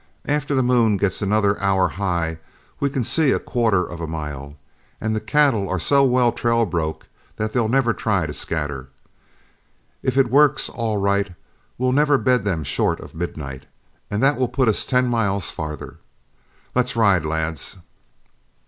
After the moon gets another hour high we can see a quarter of a mile, and the cattle are so well trail broke they'll never try to scatter. If it works all right, we'll never bed them short of midnight, and that will put us ten miles farther. Let's ride, lads."